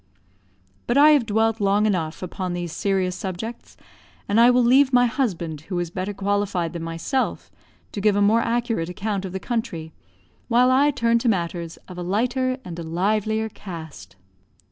But I have dwelt long enough upon these serious subjects; and I will leave my husband, who is better qualified than myself, to give a more accurate account of the country, while I turn to matters of a lighter and a livelier cast.